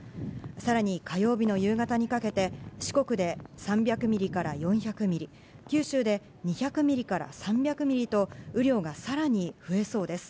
さらに火曜日の夕方にかけて、四国で３００ミリから４００ミリ、九州で２００ミリから３００ミリと、雨量がさらに増えそうです。